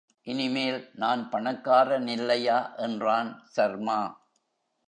இனிமேல் நான் பணக்காரனில்லையா என்றான் சர்மா.